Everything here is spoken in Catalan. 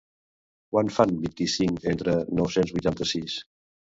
Quant fan vint-i-cinc entre nou-cents vuitanta-sis?